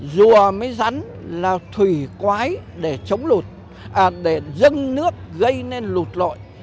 rùa với rắn là thủy quái để chống lụt à để dâng nước gây nên lụt lội